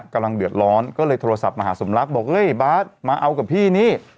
กำลังเดือดร้อนก็เลยโทรศัพท์มาหาสมรักบอกเฮ้ยบาทมาเอากับพี่นี่